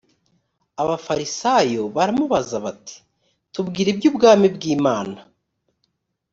abafarisayo baramubaza bati tubwire iby’ubwami bw imana